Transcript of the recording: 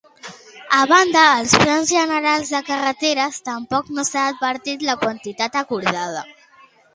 A banda, als Plans Generals de Carreteres tampoc no s'ha invertit la quantitat acordada.